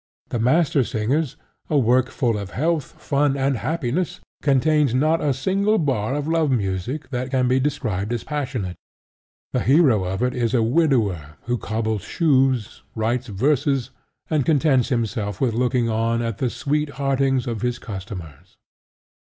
The Mastersingers, a work full of health, fun and happiness, contains not a single bar of love music that can be described as passionate: the hero of it is a widower who cobbles shoes, writes verses, and contents himself with looking on at the sweetheartings of his customers.